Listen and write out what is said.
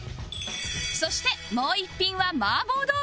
そしてもう一品は麻婆豆腐